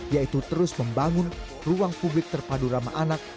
yaitu terus membangun ruang publik terpadu ramah anak